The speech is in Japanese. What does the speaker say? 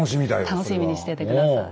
楽しみにしてて下さい。